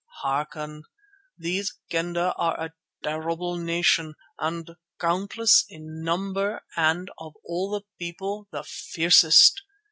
Hearken! These Kendah are a terrible nation and countless in number and of all the people the fiercest.